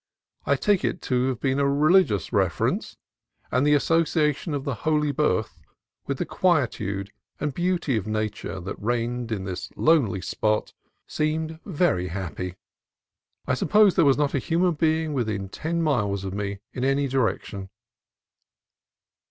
I take it to have a religious reference ; and the association of the Holy Birth with the quietude and beauty of Nature that reigned in this lonely spot seemed very happy. I suppose there was not a human being within ten miles of me in any direction.